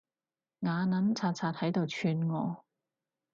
牙撚擦擦喺度串我